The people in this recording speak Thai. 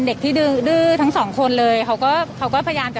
เด็กที่ดื้อดื้อทั้งสองคนเลยเขาก็เขาก็พยายามจะ